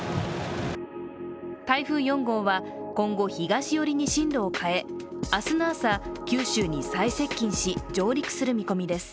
台風４号は今後、東寄りに進路を変え明日の朝、九州に最接近し、上陸する見込みです。